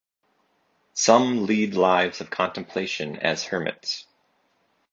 Some lead lives of contemplation as hermits.